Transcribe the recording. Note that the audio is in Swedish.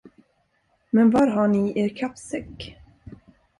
Men var har ni er kappsäck?